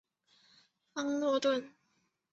葵芳邨。